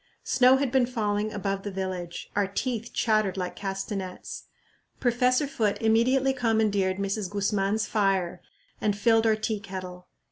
Snow had been falling above the village; our teeth chattered like castanets. Professor Foote immediately commandeered Mrs. Guzman's fire and filled our tea kettle.